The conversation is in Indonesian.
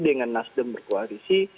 dengan nasdem berkoalisi